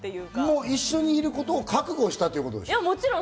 もう一緒にいることを覚悟しそういうことです。